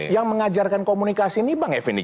yang mengajarkan komunikasi ini bang effendi